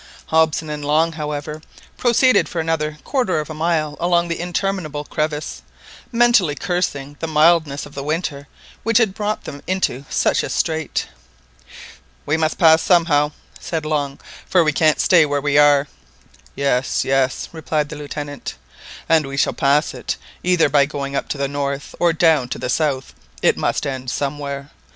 Hobson and Long, however, proceeded for another quarter of a mile along the interminable crevasse, mentally cursing the mildness of the winter which had brought them into such a strait. "We must pass somehow," said Long, "for we can't stay where we are." "Yes, yes," replied the Lieutenant, "and we shall pass it, either by going up to the north, or down to the south, it must end somewhere.